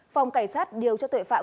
phòng cảnh sát điều cho tội phạm